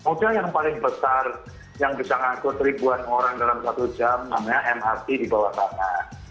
modal yang paling besar yang bisa ngangkut ribuan orang dalam satu jam namanya mrt di bawah sana